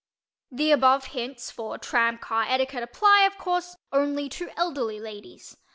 The above hints for "tram" car etiquette apply, of course, only to elderly ladies.